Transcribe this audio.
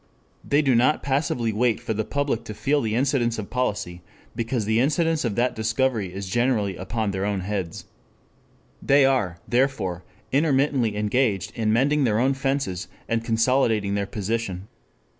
They do not passively wait for the public to feel the incidence of policy, because the incidence of that discovery is generally upon their own heads. They are, therefore, intermittently engaged in mending their fences and consolidating their position.